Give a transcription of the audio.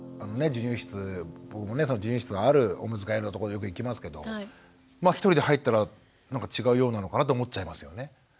授乳室があるオムツ替えのとこによく行きますけど一人で入ったらなんか違うようなのかなと思っちゃいますよね。